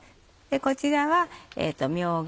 こちらはみょうが。